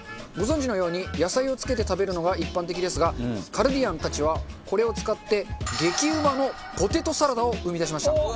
ご存じのように野菜をつけて食べるのが一般的ですがカルディアンたちはこれを使って激うまのポテトサラダを生み出しました。